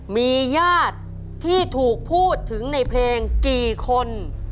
มีญาติที่ถูกพูดถึงในเพลงกี่คน